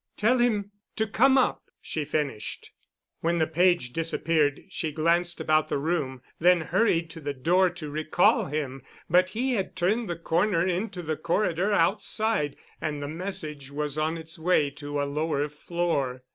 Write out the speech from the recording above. "Tell him—to come up," she finished. When the page disappeared she glanced about the room, then hurried to the door to recall him, but he had turned the corner into the corridor outside, and the message was on its way to a lower floor.